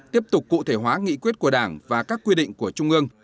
tiếp tục cụ thể hóa nghị quyết của đảng và các quy định của trung ương